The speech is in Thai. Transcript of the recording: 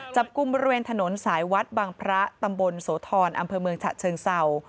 จับกุมเวรถนนสายวัดบางพระตำบลสวทรอำเภอเมืองฉะเชิงเสา